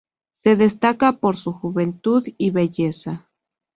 Se destaca por su juventud y belleza.